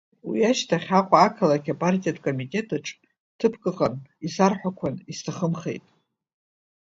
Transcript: Уи ашьҭахь Аҟәа ақалақь апартиатә комитет аҿы ҭыԥк ыҟан, исарҳәақәан, исҭахымхеит.